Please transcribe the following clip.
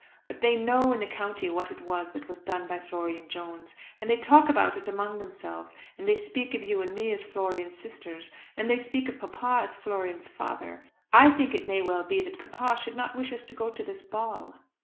But they know in the county what it was that was done by Florian Jones, and they talk about it among themselves, and they speak of you and me as Florian's sisters. And they speak of papa as Florian's father. I think it may well be that papa should not wish us to go to this ball."